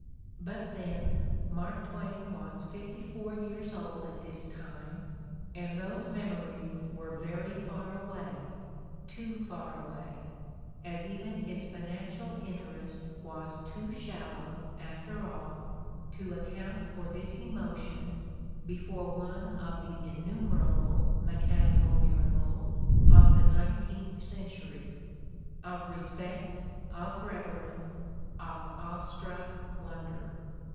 But then, Mark Twain was fifty four years old at this time and those memories were very far away, too far away — as even his financial interest was too shallow, after all — to account for this emotion, before one of the innumerable mechanical miracles of the nineteenth century, of re spect, of reverence, of awe struck wonder.